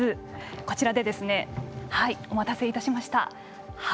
こちらでお待たせいたしました。